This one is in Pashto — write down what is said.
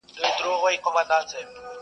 دهقان ولاړی په زاریو د مار کور ته؛